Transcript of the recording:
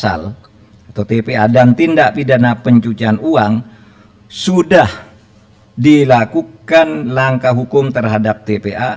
yang kelima untuk laporan hasil pemeriksaan lhp dengan nilai transaksi agregat rp satu ratus delapan puluh